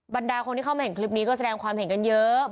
บรรดาคนที่เข้ามาเห็นคลิปนี้ก็แสดงความเห็นกันเยอะ